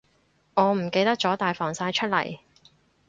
我唔記得咗帶防曬出嚟